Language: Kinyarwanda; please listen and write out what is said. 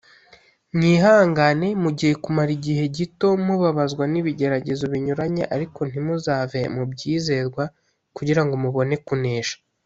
mwihangane mugiye kumara igihe gito mubabazwa n ibigeragezo binyuranye ariko ntimuzave mu byizerwa kugirango mubone kunesha